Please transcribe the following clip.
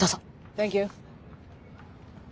サンキュー。